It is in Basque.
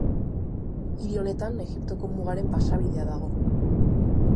Hiri honetan Egiptoko mugaren pasabidea dago.